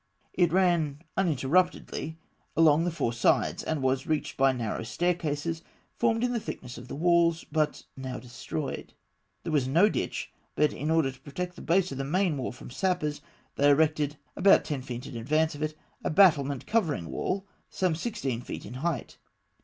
It ran uninterruptedly along the four sides, and was reached by narrow staircases formed in the thickness of the walls, but now destroyed. There was no ditch, but in order to protect the base of the main wall from sappers, they erected, about ten feet in advance of it, a battlemented covering wall, some sixteen feet in height.